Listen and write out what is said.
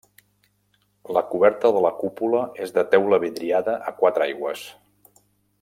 La coberta de la cúpula és de teula vidriada a quatre aigües.